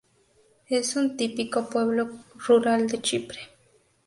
Es un típico pueblo rural de Chipre.